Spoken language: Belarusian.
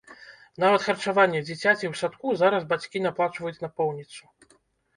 Нават харчаванне дзіцяці ў садку зараз бацькі аплачваюць напоўніцу.